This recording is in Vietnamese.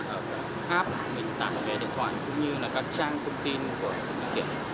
cũng như là các trang phương tiện